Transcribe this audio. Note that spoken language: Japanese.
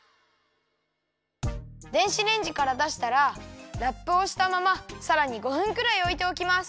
電子レンジからだしたらラップをしたままさらに５分くらいおいておきます。